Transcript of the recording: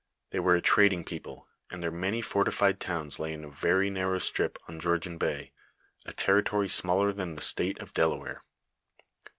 They were a trading people, and their many fortified towns lay in a very narrow strip on Georgian Bay, a territory smaller than the state of Delaware.